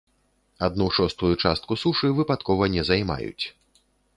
Адну шостую частку сушы выпадкова не займаюць.